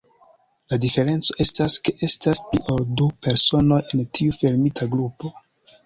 La diferenco estas, ke estas pli ol du personoj en tiu fermita grupo.